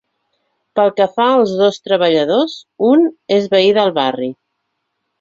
Pel que fa als dos treballadors, un és veí del barri.